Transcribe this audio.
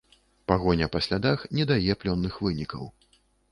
Пагоня па слядах не дае плённых вынікаў.